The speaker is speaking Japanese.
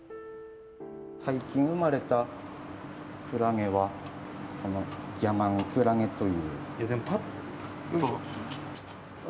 最近生まれたクラゲはこのキヤマンクラゲという。